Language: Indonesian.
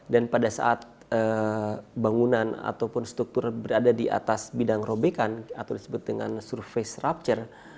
dan pada saat bangunan ataupun struktur berada di atas bidang robekan atau disebut dengan surface rupture